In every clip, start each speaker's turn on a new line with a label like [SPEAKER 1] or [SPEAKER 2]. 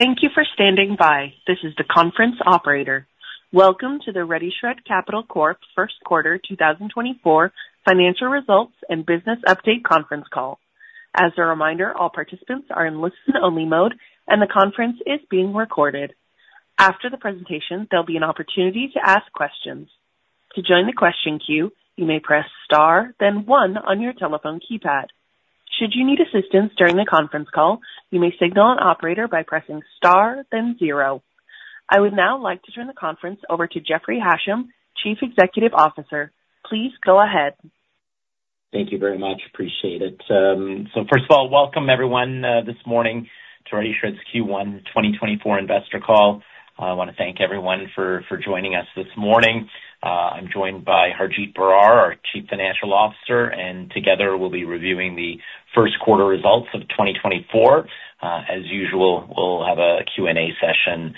[SPEAKER 1] Thank you for standing by. This is the conference operator. Welcome to the RediShred Capital Corp.'s first quarter 2024 financial results and business update conference call. As a reminder, all participants are in listen-only mode, and the conference is being recorded. After the presentation, there'll be an opportunity to ask questions. To join the question queue, you may press Star, then one on your telephone keypad. Should you need assistance during the conference call, you may signal an operator by pressing Star, then zero. I would now like to turn the conference over to Jeffrey Hasham, Chief Executive Officer. Please go ahead.
[SPEAKER 2] Thank you very much. Appreciate it. So first of all, welcome everyone this morning to RediShred's Q1 2024 investor call. I wanna thank everyone for joining us this morning. I'm joined by Harjit Brar, our Chief Financial Officer, and together we'll be reviewing the first quarter results of 2024. As usual, we'll have a Q&A session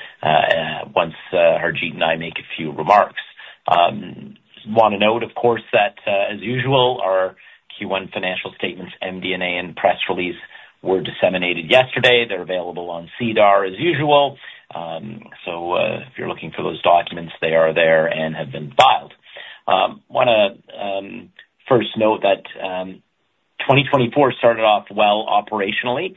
[SPEAKER 2] once Harjit and I make a few remarks. Wanna note, of course, that as usual, our Q1 financial statements, MD&A, and press release were disseminated yesterday. They're available on SEDAR as usual. If you're looking for those documents, they are there and have been filed. Wanna first note that 2024 started off well operationally.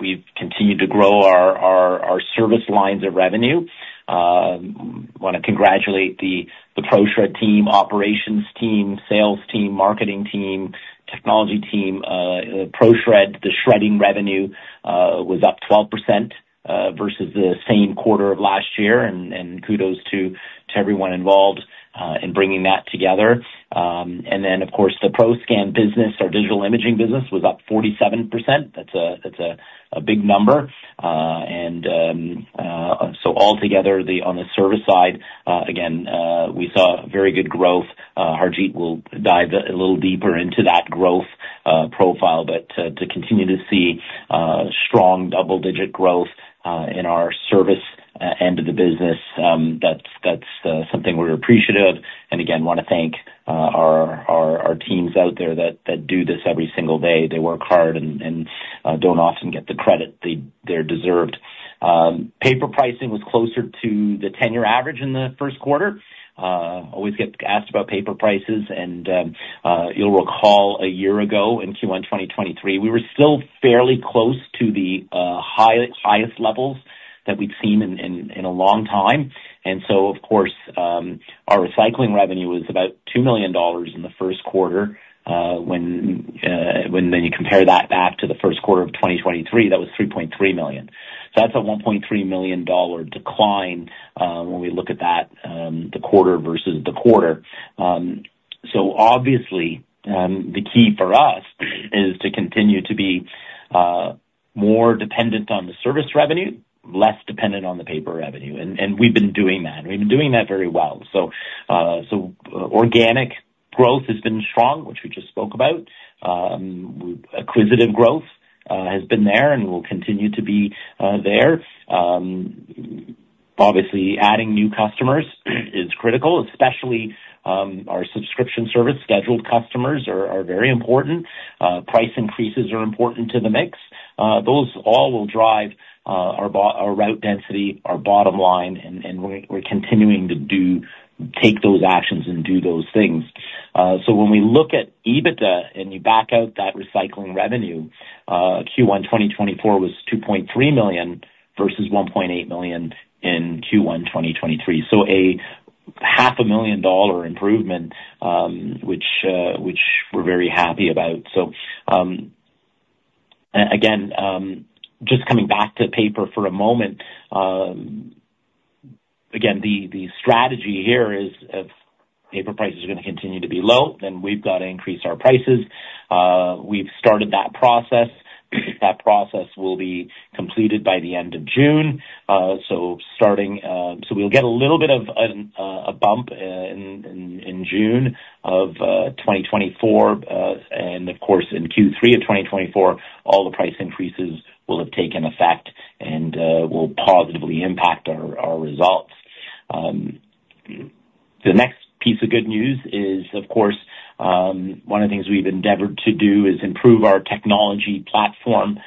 [SPEAKER 2] We've continued to grow our service lines of revenue. Wanna congratulate the PROSHRED team, operations team, sales team, marketing team, technology team. PROSHRED, the shredding revenue was up 12% versus the same quarter of last year, and kudos to everyone involved in bringing that together. And then, of course, the PROSCAN business, our digital imaging business, was up 47%. That's a big number. And so altogether, on the service side, again, we saw very good growth. Harjit will dive a little deeper into that growth profile, but to continue to see strong double-digit growth in our service end of the business, that's something we're appreciative of. And again, wanna thank our teams out there that do this every single day. They work hard and don't often get the credit they deserve. Paper pricing was closer to the 10-year average in the first quarter. Always get asked about paper prices, and you'll recall a year ago, in Q1 2023, we were still fairly close to the highest levels that we'd seen in a long time. And so, of course, our recycling revenue was about 2 million dollars in the first quarter. When you compare that back to the first quarter of 2023, that was 3.3 million. So that's a 1.3 million dollar decline when we look at that, the quarter versus the quarter. So obviously, the key for us is to continue to be more dependent on the service revenue, less dependent on the paper revenue, and we've been doing that, and we've been doing that very well. So organic growth has been strong, which we just spoke about. Acquisitive growth has been there and will continue to be there. Obviously, adding new customers is critical, especially our subscription service. Scheduled customers are very important. Price increases are important to the mix. Those all will drive our route density, our bottom line, and we're continuing to do those actions and do those things. So when we look at EBITDA, and you back out that recycling revenue, Q1 2024 was 2.3 million versus 1.8 million in Q1 2023. So 500,000 dollar improvement, which we're very happy about. So, again, just coming back to paper for a moment. Again, the strategy here is if paper prices are gonna continue to be low, then we've got to increase our prices. We've started that process. That process will be completed by the end of June. So we'll get a little bit of a bump in June of 2024. And of course, in Q3 of 2024, all the price increases will have taken effect and will positively impact our results. The next piece of good news is, of course, one of the things we've endeavored to do is improve our technology platform.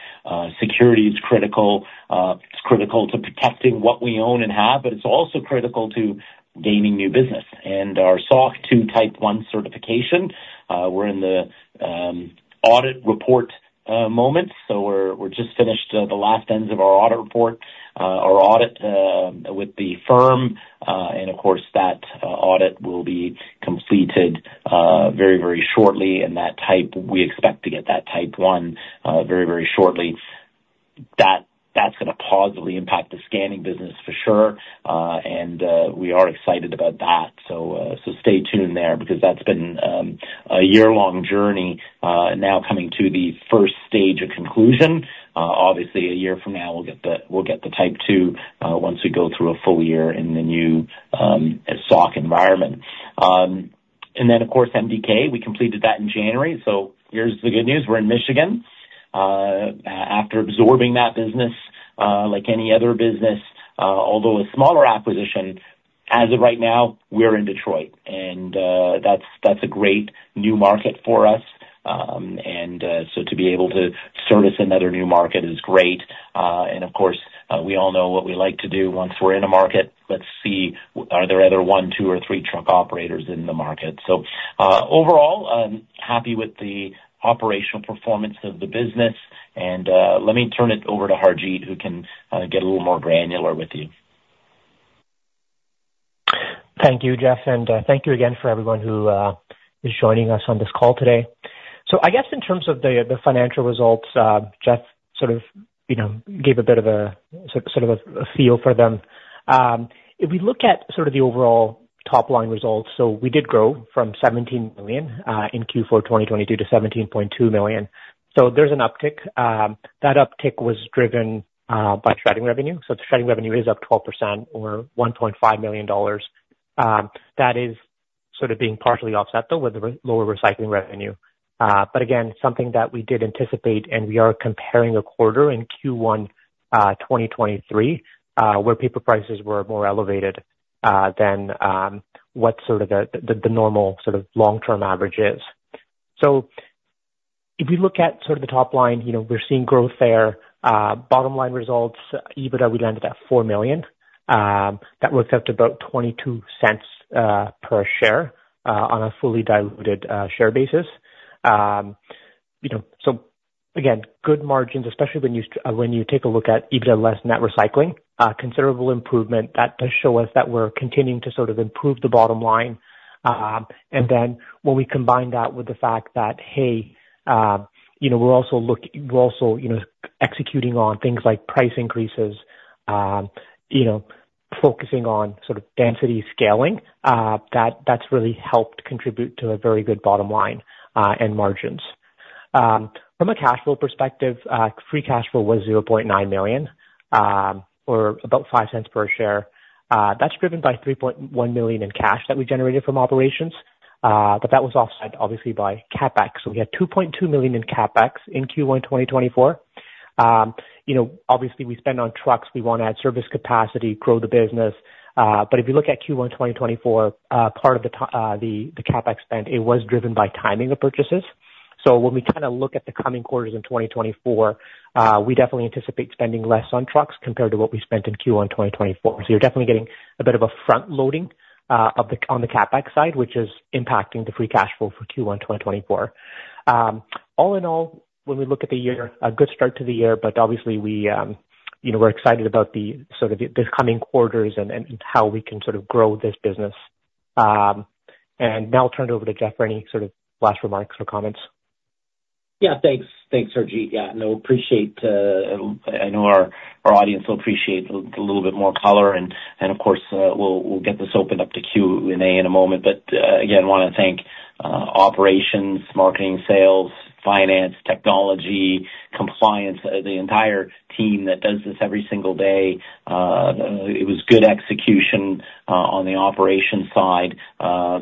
[SPEAKER 2] Security is critical. It's critical to protecting what we own and have, but it's also critical to gaining new business. And our SOC 2 Type 1 certification, we're in the audit report moment, so we're just finished the last ends of our audit report, our audit with the firm, and of course, that audit will be completed very, very shortly, and we expect to get that Type 1 very, very shortly. That's gonna positively impact the scanning business for sure, and we are excited about that. So stay tuned there, because that's been a year-long journey now coming to the first stage of conclusion. Obviously, a year from now, we'll get the, we'll get the Type 2 once we go through a full year in the new SOC environment. And then, of course, MDK, we completed that in January. So here's the good news: we're in Michigan. After absorbing that business, like any other business, although a smaller acquisition. As of right now, we're in Detroit, and that's a great new market for us. And so to be able to service another new market is great. And of course, we all know what we like to do once we're in a market. Let's see, are there other one, two, or three truck operators in the market? So, overall, I'm happy with the operational performance of the business and let me turn it over to Harjit, who can get a little more granular with you.
[SPEAKER 3] Thank you, Jeff, and thank you again for everyone who is joining us on this call today. So I guess in terms of the financial results, Jeff, sort of, you know, gave a bit of a, sort of a, a feel for them. If we look at sort of the overall top-line results, so we did grow from 17 million in Q4 2022 to 17.2 million. So there's an uptick. That uptick was driven by shredding revenue. So the shredding revenue is up 12% or 1.5 million dollars. That is sort of being partially offset, though, with the lower recycling revenue. But again, something that we did anticipate, and we are comparing a quarter in Q1 2023 where paper prices were more elevated than what sort of the normal sort of long-term average is. So if you look at sort of the top line, you know, we're seeing growth there. Bottom line results, EBITDA, we landed at 4 million. That works out to about 0.22 per share on a fully diluted share basis. You know, so again, good margins, especially when you take a look at EBITDA less net recycling, considerable improvement. That does show us that we're continuing to sort of improve the bottom line. And then when we combine that with the fact that, hey, you know, we're also, you know, executing on things like price increases, you know, focusing on sort of density scaling, that's really helped contribute to a very good bottom line, and margins. From a cash flow perspective, free cash flow was 0.9 million, or about 0.05 per share. That's driven by 3.1 million in cash that we generated from operations, but that was offset obviously by CapEx. So we had 2.2 million in CapEx in Q1 2024. You know, obviously, we spend on trucks, we wanna add service capacity, grow the business. But if you look at Q1 2024, part of the CapEx spend, it was driven by timing of purchases. So when we kind of look at the coming quarters in 2024, we definitely anticipate spending less on trucks compared to what we spent in Q1 2024. So you're definitely getting a bit of a front loading of the on the CapEx side, which is impacting the free cash flow for Q1 2024. All in all, when we look at the year, a good start to the year, but obviously we, you know, we're excited about the, sort of the, the coming quarters and, and how we can sort of grow this business. And now I'll turn it over to Jeff for any sort of last remarks or comments.
[SPEAKER 2] Yeah, thanks. Thanks, Harjit. Yeah, no, appreciate. I know our audience will appreciate a little bit more color, and of course, we'll get this opened up to Q&A in a moment. But again, wanna thank operations, marketing, sales, finance, technology, compliance, the entire team that does this every single day. It was good execution on the operations side.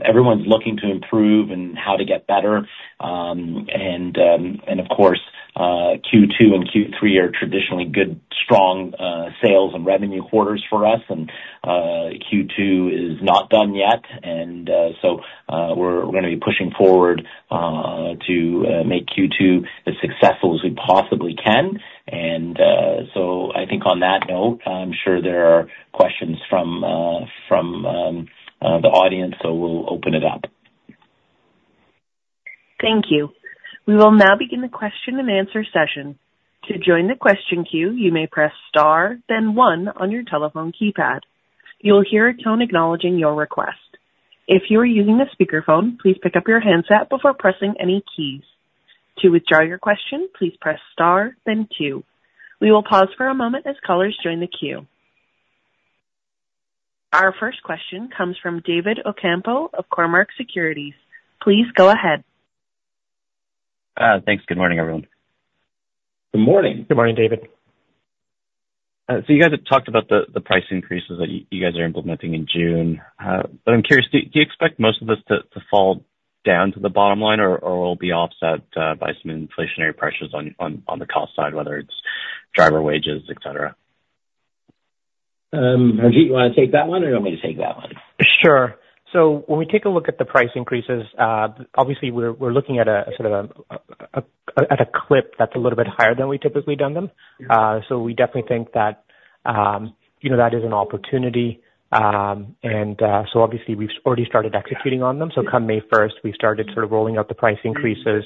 [SPEAKER 2] Everyone's looking to improve and how to get better. And of course, Q2 and Q3 are traditionally good, strong sales and revenue quarters for us. And Q2 is not done yet. And so, we're gonna be pushing forward to make Q2 as successful as we possibly can. So, I think on that note, I'm sure there are questions from the audience, so we'll open it up.
[SPEAKER 1] Thank you. We will now begin the question and answer session. To join the question queue, you may press star, then one on your telephone keypad. You will hear a tone acknowledging your request. If you are using a speakerphone, please pick up your handset before pressing any keys. To withdraw your question, please press star, then two. We will pause for a moment as callers join the queue. Our first question comes from David Ocampo of Cormark Securities. Please go ahead.
[SPEAKER 4] Thanks. Good morning, everyone.
[SPEAKER 2] Good morning.
[SPEAKER 3] Good morning, David.
[SPEAKER 4] So you guys have talked about the price increases that you guys are implementing in June. But I'm curious, do you expect most of this to fall down to the bottom line or will it be offset by some inflationary pressures on the cost side, whether it's driver wages, et cetera?
[SPEAKER 2] Harjit, you wanna take that one or you want me to take that one?
[SPEAKER 3] Sure. So when we take a look at the price increases, obviously, we're looking at sort of at a clip that's a little bit higher than we've typically done them. So we definitely think that, you know, that is an opportunity. So obviously we've already started executing on them. So come May first, we started sort of rolling out the price increases.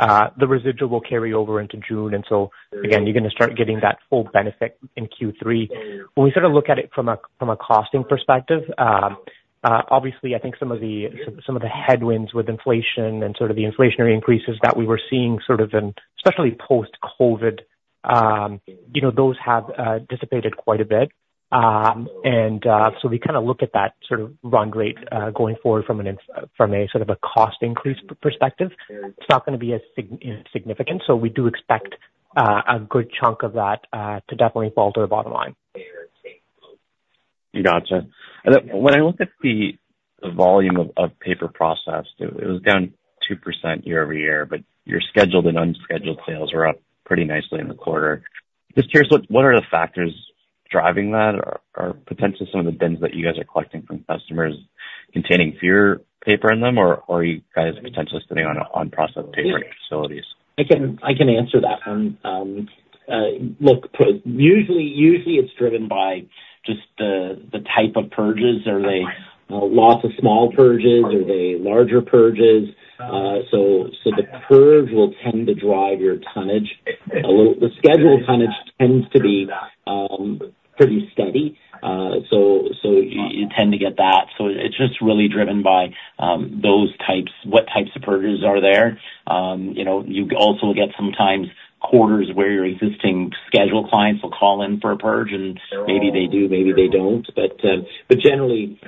[SPEAKER 3] The residual will carry over into June, and so again, you're gonna start getting that full benefit in Q3. When we sort of look at it from a costing perspective, obviously, I think some of the headwinds with inflation and sort of the inflationary increases that we were seeing sort of in, especially post-COVID, you know, those have dissipated quite a bit. So we kind of look at that sort of run rate going forward from a sort of a cost increase perspective. It's not gonna be as significant, so we do expect a good chunk of that to definitely fall to the bottom line.
[SPEAKER 4] Gotcha. And then when I look at the volume of paper processed, it was down 2% year-over-year, but your scheduled and unscheduled sales were up pretty nicely in the quarter. Just curious, what are the factors driving that? Or potentially some of the bins that you guys are collecting from customers containing fewer paper in them, or are you guys potentially sitting on processed paper facilities?
[SPEAKER 2] I can, I can answer that. Look, usually, usually it's driven by just the, the type of purges. Are they lots of small purges? Are they larger purges? So, so the purge will tend to drive your tonnage. A little. The scheduled tonnage tends to be pretty steady. So, so you, you tend to get that. So it's just really driven by those types, what types of purges are there. You know, you also will get sometimes quarters where your existing scheduled clients will call in for a purge, and maybe they do, maybe they don't. But generally,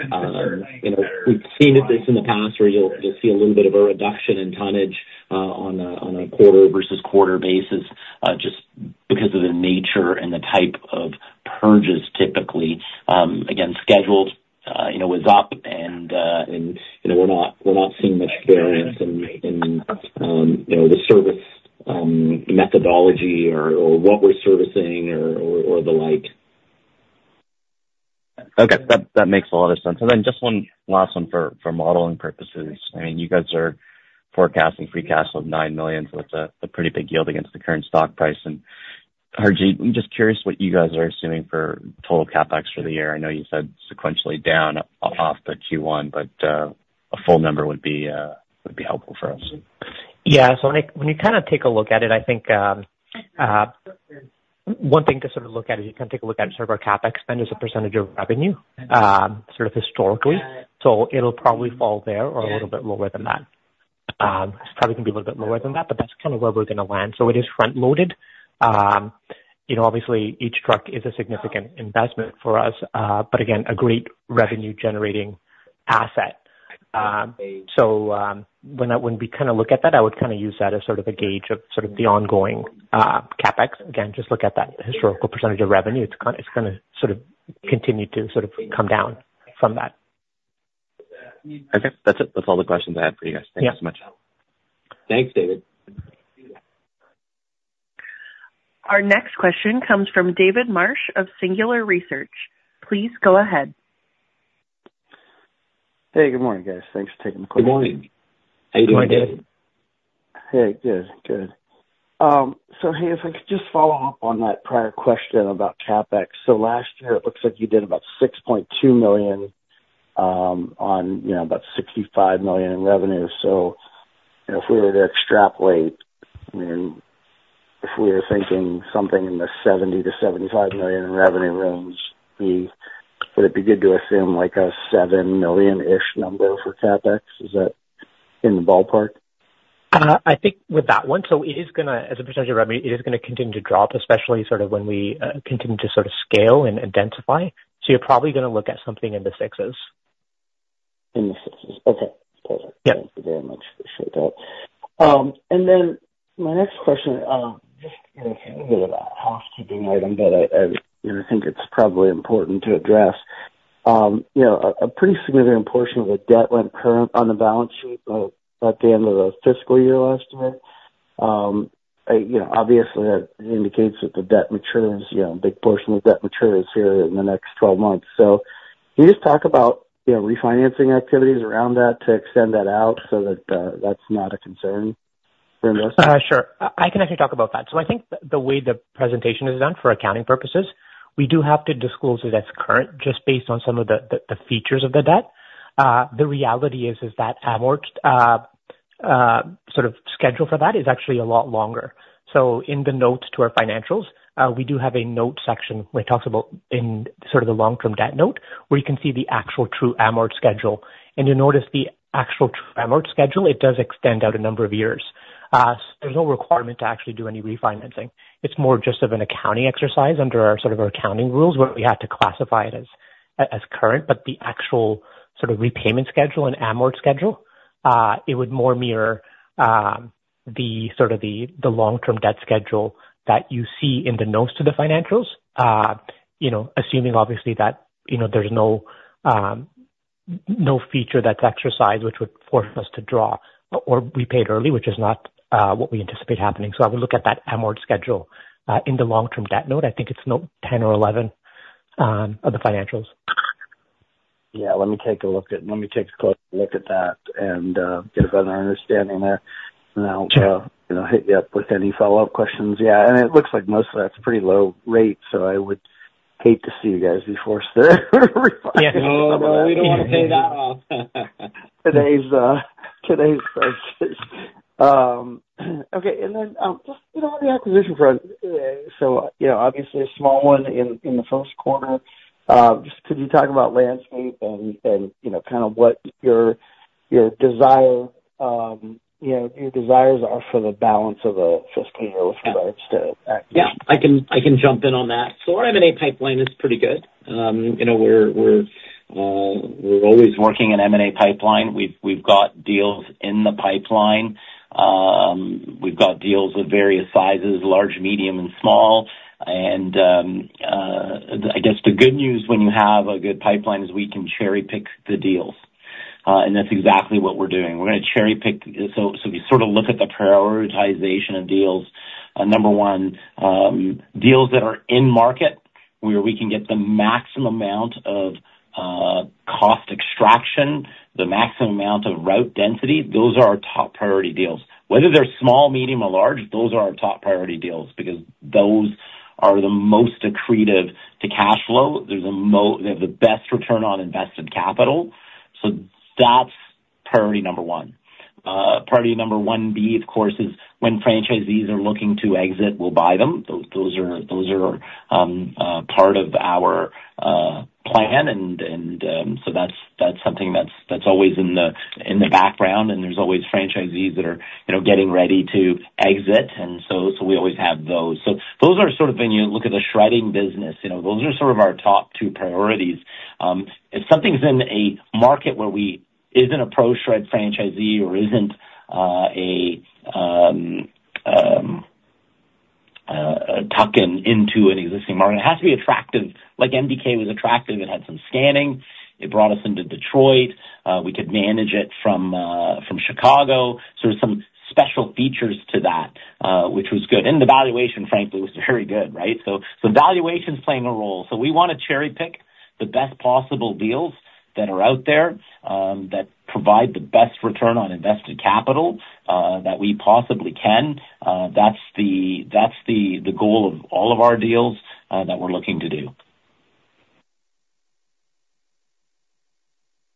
[SPEAKER 2] you know, we've seen this in the past, where you'll see a little bit of a reduction in tonnage on a quarter-over-quarter basis, just because of the nature and the type of purges, typically. Again, scheduled, you know, was up and, you know, we're not seeing much variance in the service methodology or what we're servicing or the like.
[SPEAKER 4] Okay, that makes a lot of sense. And then just one last one for modeling purposes. I mean, you guys are forecasting free cash flow of 9 million, so it's a pretty big yield against the current stock price. And Harjit, I'm just curious what you guys are assuming for total CapEx for the year. I know you said sequentially down off the Q1, but a full number would be helpful for us.
[SPEAKER 3] Yeah. So when you kind of take a look at it, I think, one thing to sort of look at is you can take a look at sort of our CapEx spend as a percentage of revenue, sort of historically. So it'll probably fall there or a little bit lower than that. It's probably gonna be a little bit lower than that, but that's kind of where we're gonna land. So it is front loaded. You know, obviously, each truck is a significant investment for us, but again, a great revenue generating asset. So, when we kind of look at that, I would kind of use that as sort of a gauge of sort of the ongoing, CapEx. Again, just look at that historical percentage of revenue. It's gonna sort of continue to sort of come down from that.
[SPEAKER 4] Okay. That's it. That's all the questions I have for you guys.
[SPEAKER 3] Yeah.
[SPEAKER 4] Thank you so much.
[SPEAKER 2] Thanks, David.
[SPEAKER 1] Our next question comes from David Marsh of Singular Research. Please go ahead.
[SPEAKER 5] Hey, good morning, guys. Thanks for taking the call.
[SPEAKER 2] Good morning.
[SPEAKER 3] Good morning, David.
[SPEAKER 5] Hey, good, good. So hey, if I could just follow up on that prior question about CapEx. So last year, it looks like you did about 6.2 million, you know, on about 65 million in revenue. So, you know, if we were to extrapolate, I mean, if we were thinking something in the 70 million-75 million in revenue range, we would it be good to assume like a 7 million-ish number for CapEx? Is that in the ballpark?
[SPEAKER 3] I think with that one, so it is gonna, as a percentage of revenue, it is gonna continue to drop, especially sort of when we continue to sort of scale and identify. So you're probably gonna look at something in the sixes.
[SPEAKER 5] In the sixes. Okay.
[SPEAKER 3] Yeah.
[SPEAKER 5] Thank you very much. Appreciate that. And then my next question, just, you know, a little bit of a housekeeping item, but I, you know, think it's probably important to address. You know, a pretty significant portion of the debt went current on the balance sheet at the end of the fiscal year, last year. You know, obviously that indicates that the debt matures, you know, a big portion of the debt matures here in the next 12 months. So can you just talk about, you know, refinancing activities around that to extend that out so that that's not a concern for investors?
[SPEAKER 3] Sure. I can actually talk about that. So I think the way the presentation is done, for accounting purposes, we do have to disclose it as current, just based on some of the features of the debt. The reality is that amortization sort of schedule for that is actually a lot longer. So in the notes to our financials, we do have a note section where it talks about in sort of the long-term debt note, where you can see the actual true amortization schedule. You'll notice the actual true amortization schedule, it does extend out a number of years. So there's no requirement to actually do any refinancing. It's more just of an accounting exercise under our sort of our accounting rules, where we have to classify it as, as current, but the actual sort of repayment schedule and amort schedule, it would more mirror, the sort of the, the long-term debt schedule that you see in the notes to the financials. You know, assuming obviously that, you know, there's no, no feature that's exercised, which would force us to draw or prepaid early, which is not, what we anticipate happening. So I would look at that amort schedule, in the long-term debt note. I think it's note 10 or 11, of the financials.
[SPEAKER 5] Yeah. Let me take a look at... Let me take a closer look at that and, get a better understanding there.
[SPEAKER 3] Sure.
[SPEAKER 5] I'll, you know, hit you up with any follow-up questions. Yeah, it looks like most of that's pretty low rate, so I would hate to see you guys be forced to refinance.
[SPEAKER 3] Yeah, no, we don't want to pay that off.
[SPEAKER 5] Today's rates. Okay. And then, just, you know, the acquisition front, so, you know, obviously a small one in the first quarter. Just could you talk about the landscape and, you know, kind of what your desire, you know, your desires are for the balance of the fiscal year with regards to acquisition?
[SPEAKER 2] Yeah, I can jump in on that. So our M&A pipeline is pretty good. You know, we're always working in M&A pipeline. We've got deals in the pipeline. We've got deals of various sizes, large, medium, and small. I guess the good news when you have a good pipeline is we can cherry-pick the deals. And that's exactly what we're doing. We're gonna cherry-pick, so we sort of look at the prioritization of deals. Number one, deals that are in market, where we can get the maximum amount of cost extraction, the maximum amount of route density, those are our top priority deals. Whether they're small, medium, or large, those are our top priority deals, because those are the most accretive to cash flow. They have the best return on invested capital, so that's priority number one. Priority number one B, of course, is when franchisees are looking to exit, we'll buy them. Those are part of our plan, and so that's something that's always in the background, and there's always franchisees that are, you know, getting ready to exit. And so we always have those. So those are sort of when you look at the shredding business, you know, those are sort of our top two priorities. If something's in a market where we isn't a PROSHRED franchisee or isn't a tuck-in into an existing market, it has to be attractive. Like MDK was attractive, it had some scanning, it brought us into Detroit, we could manage it from, from Chicago. So there was some special features to that, which was good, and the valuation, frankly, was very good, right? So, so valuation's playing a role. So we wanna cherry-pick the best possible deals that are out there, that provide the best return on invested capital, that we possibly can. That's the goal of all of our deals that we're looking to do.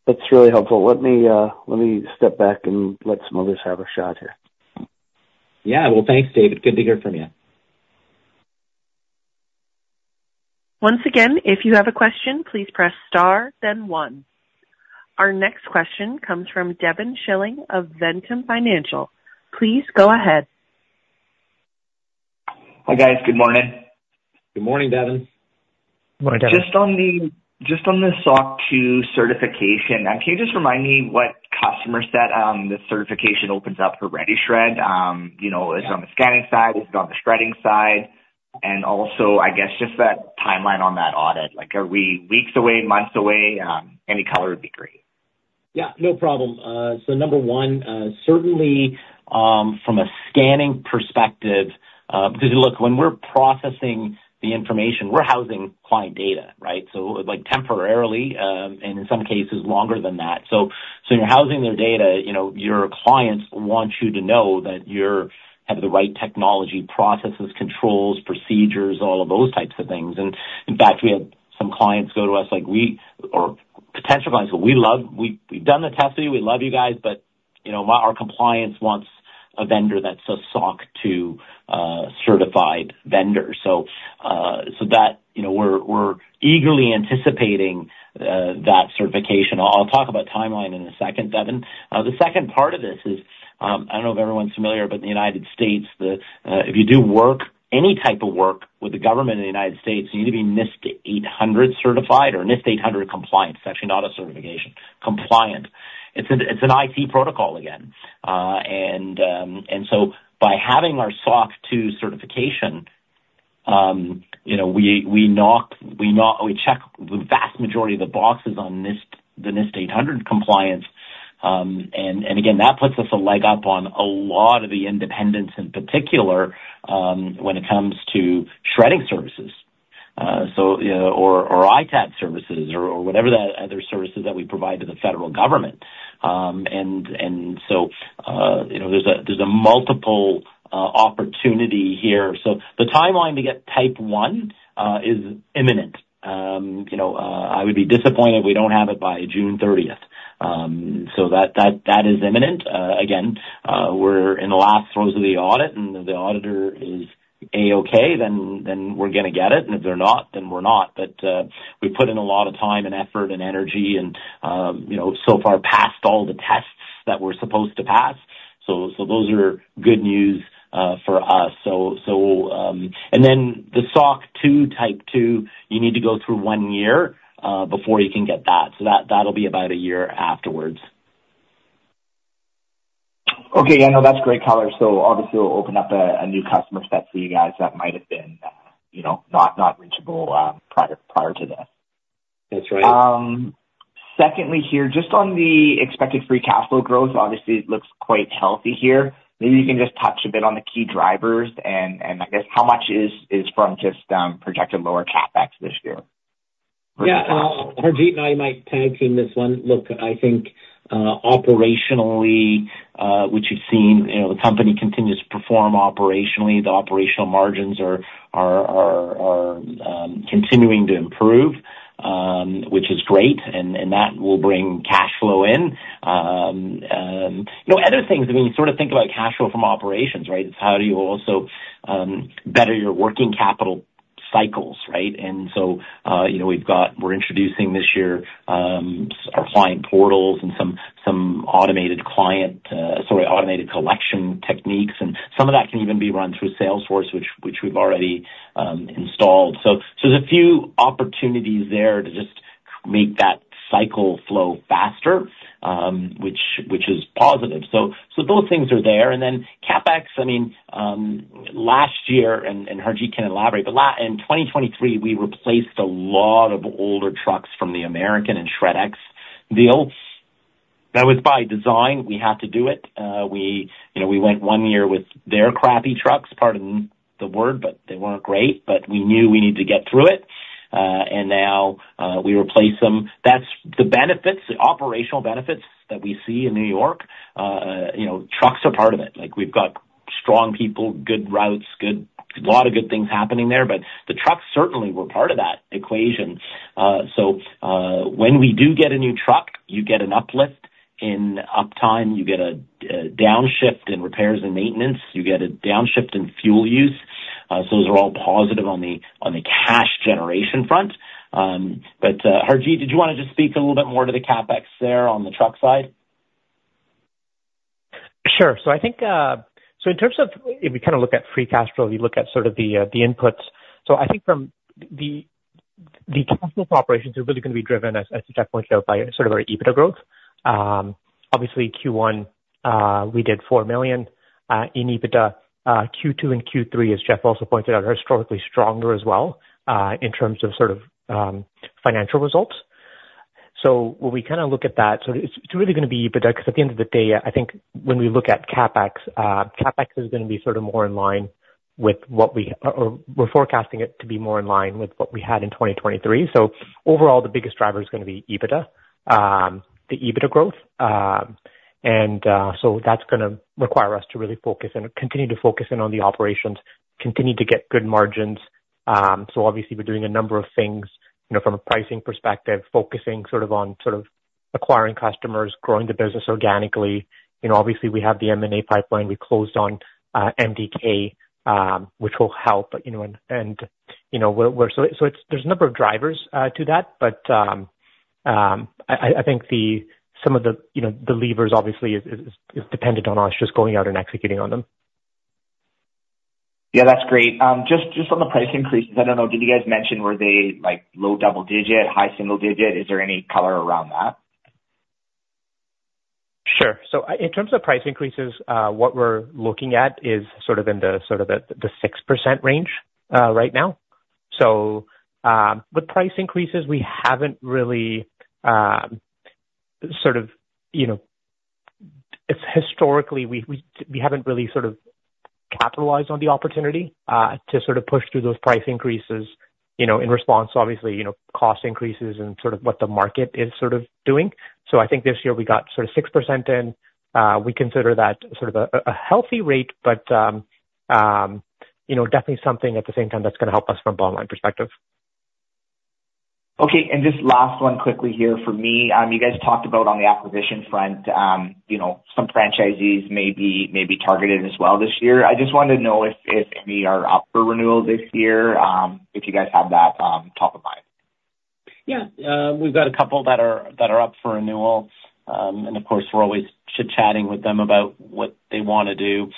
[SPEAKER 5] That's really helpful. Let me, let me step back and let some others have a shot here.
[SPEAKER 2] Yeah. Well, thanks, David. Good to hear from you.
[SPEAKER 1] Once again, if you have a question, please press star then one. Our next question comes from Devin Schilling of Ventum Financial. Please go ahead.
[SPEAKER 6] Hi, guys. Good morning.
[SPEAKER 2] Good morning, Devin.
[SPEAKER 3] Good morning, Devin.
[SPEAKER 6] Just on the SOC 2 certification, can you just remind me what customer set the certification opens up for RediShred? You know, is it on the scanning side, is it on the shredding side? And also, I guess, just that timeline on that audit, like, are we weeks away, months away? Any color would be great.
[SPEAKER 2] Yeah, no problem. So number one, certainly, from a scanning perspective, because look, when we're processing the information, we're housing client data, right? So, like, temporarily, and in some cases longer than that. So you're housing their data, you know, your clients want you to know that you have the right technology, processes, controls, procedures, all of those types of things. And in fact, we have some clients go to us, like we, or potential clients, "We love... We, we've done the testing, we love you guys, but, you know, my, our compliance wants a vendor that's a SOC 2 certified vendor." So that, you know, we're eagerly anticipating that certification. I'll talk about timeline in a second, Devin. The second part of this is, I don't know if everyone's familiar, but in the United States, if you do work, any type of work with the government of the United States, you need to be NIST 800 certified or NIST 800 compliant. It's actually not a certification. Compliant. It's an IT protocol again, and so by having our SOC 2 certification, you know, we check the vast majority of the boxes on NIST, the NIST 800 compliance. And again, that puts us a leg up on a lot of the independents in particular, when it comes to shredding services. So, you know, or ITAD services or whatever the other services that we provide to the federal government. And so, you know, there's a multiple opportunity here. So the timeline to get Type 1 is imminent. You know, I would be disappointed if we don't have it by June thirtieth. So that is imminent. Again, we're in the last throes of the audit, and if the auditor is AOK, then we're gonna get it, and if they're not, then we're not. But we've put in a lot of time and effort and energy and, you know, so far passed all the tests that we're supposed to pass. So, and then the SOC 2 Type 2, you need to go through one year before you can get that, so that'll be about a year afterwards.
[SPEAKER 6] Okay, yeah, no, that's great color. So obviously it'll open up a new customer set for you guys that might have been, you know, not reachable prior to this.
[SPEAKER 2] That's right.
[SPEAKER 6] Secondly here, just on the expected free cash flow growth, obviously it looks quite healthy here. Maybe you can just touch a bit on the key drivers and I guess how much is from just projected lower CapEx this year?
[SPEAKER 2] Yeah. Harjit, I might tag you in this one. Look, I think, operationally, which you've seen, you know, the company continues to perform operationally. The operational margins are continuing to improve, which is great, and that will bring cash flow in. You know, other things, I mean, sort of think about cash flow from operations, right? It's how do you also better your working capital cycles, right? And so, you know, we've got... We're introducing this year, our client portals and some automated client, sorry, automated collection techniques, and some of that can even be run through Salesforce, which we've already installed. So those things are there. CapEx, I mean, last year, and Harjit can elaborate, but in 2023, we replaced a lot of older trucks from the American and Shred-X deals. That was by design. We had to do it. We, you know, we went one year with their crappy trucks, pardon the word, but they weren't great, but we knew we needed to get through it. And now, we replaced them. That's the benefits, the operational benefits that we see in New York. You know, trucks are part of it. Like, we've got strong people, good routes, good, a lot of good things happening there, but the trucks certainly were part of that equation. So, when we do get a new truck, you get an uplift in uptime, you get a downshift in repairs and maintenance, you get a downshift in fuel use. So those are all positive on the cash generation front. But, Harjit, did you wanna just speak a little bit more to the CapEx there on the truck side?
[SPEAKER 3] Sure. So I think, so in terms of if we kind of look at free cash flow, we look at sort of the, the inputs. So I think from the, the cash flow operations are really gonna be driven, as Jeff pointed out, by sort of our EBITDA growth. Obviously, Q1, we did 4 million in EBITDA. Q2 and Q3, as Jeff also pointed out, are historically stronger as well, in terms of sort of financial results. So when we kind of look at that, so it's, it's really gonna be EBITDA, 'cause at the end of the day, I think when we look at CapEx, CapEx is gonna be sort of more in line with what we... Or we're forecasting it to be more in line with what we had in 2023. So overall, the biggest driver is gonna be EBITDA, the EBITDA growth. So that's gonna require us to really focus and continue to focus in on the operations, continue to get good margins. So obviously, we're doing a number of things, you know, from a pricing perspective, focusing sort of on, sort of acquiring customers, growing the business organically. You know, obviously, we have the M&A pipeline we closed on, MDK, which will help, you know, and, you know, we're so it's there's a number of drivers to that, but, I think some of the, you know, the levers obviously is dependent on us just going out and executing on them.
[SPEAKER 6] Yeah, that's great. Just, just on the price increases, I don't know, did you guys mention, were they, like, low double digit, high single digit? Is there any color around that?
[SPEAKER 3] Sure. So in terms of price increases, what we're looking at is sort of in the 6% range, right now. So, with price increases, we haven't really sort of, you know, historically, we haven't really sort of capitalized on the opportunity to sort of push through those price increases, you know, in response, obviously, you know, cost increases and sort of what the market is sort of doing. So I think this year we got sort of 6% in. We consider that sort of a healthy rate, but, you know, definitely something at the same time that's gonna help us from a bottom line perspective.
[SPEAKER 6] Okay. Just last one quickly here for me. You guys talked about on the acquisition front, you know, some franchisees may be targeted as well this year. I just wanted to know if any are up for renewal this year, if you guys have that top of mind?
[SPEAKER 2] Yeah. We've got a couple that are, that are up for renewal. Of course, we're always chit-chatting with them about what they wanna do.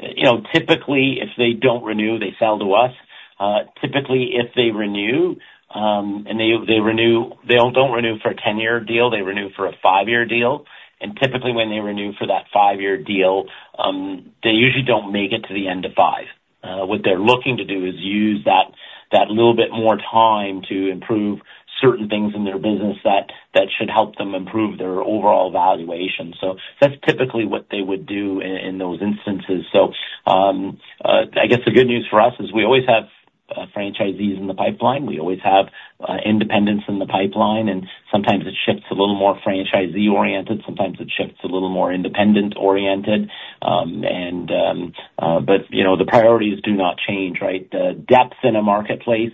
[SPEAKER 2] You know, typically, if they don't renew, they sell to us. Typically, if they renew, and they, they renew, they don't, don't renew for a 10-year deal, they renew for a five-year deal. Typically, when they renew for that five-year deal, they usually don't make it to the end of five. What they're looking to do is use that, that little bit more time to improve certain things in their business that, that should help them improve their overall valuation. So that's typically what they would do in those instances. So, I guess the good news for us is we always have franchisees in the pipeline. We always have independents in the pipeline, and sometimes it shifts a little more franchisee-oriented, sometimes it shifts a little more independent-oriented. But, you know, the priorities do not change, right? The depth in a marketplace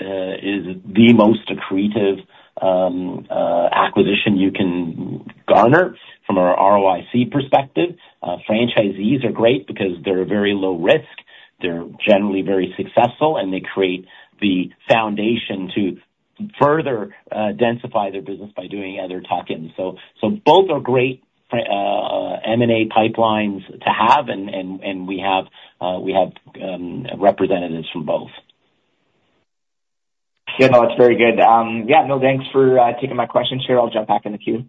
[SPEAKER 2] is the most accretive acquisition you can garner from a ROIC perspective. Franchisees are great because they're very low risk, they're generally very successful, and they create the foundation to further densify their business by doing other tuck-ins. So, both are great M&A pipelines to have, and we have representatives from both.
[SPEAKER 6] Yeah. No, it's very good. Yeah, no, thanks for taking my questions here. I'll jump back in the queue.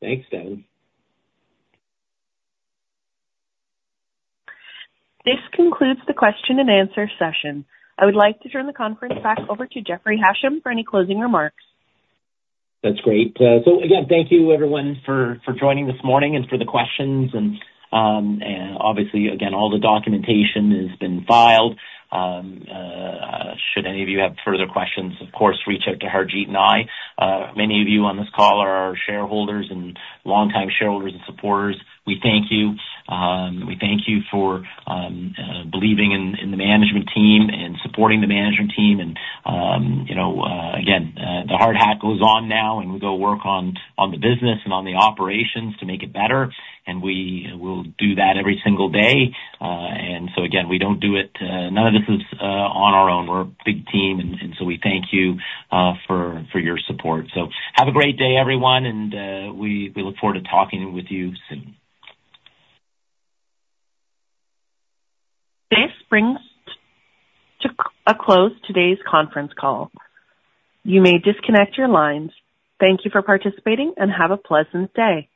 [SPEAKER 2] Thanks, David.
[SPEAKER 1] This concludes the question and answer session. I would like to turn the conference back over to Jeffrey Hasham for any closing remarks.
[SPEAKER 2] That's great. So again, thank you everyone for joining this morning and for the questions. And obviously, again, all the documentation has been filed. Should any of you have further questions, of course, reach out to Harjit and I. Many of you on this call are our shareholders and longtime shareholders and supporters. We thank you. We thank you for believing in the management team and supporting the management team. And you know, again, the hard hat goes on now, and we go work on the business and on the operations to make it better, and we will do that every single day. And so again, we don't do it-- none of this is on our own. We're a big team, and so we thank you for your support. Have a great day, everyone, and we look forward to talking with you soon.
[SPEAKER 1] This brings to a close today's conference call. You may disconnect your lines. Thank you for participating, and have a pleasant day.